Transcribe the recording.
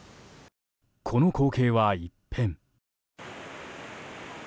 この光景は一変。